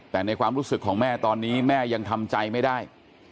แต่ในความรู้สึกของแม่ตอนนี้แม่ยังทำใจไม่ได้